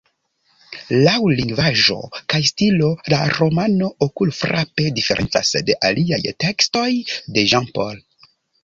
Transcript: Laŭ lingvaĵo kaj stilo la romano okulfrape diferencas de aliaj tekstoj de Jean Paul.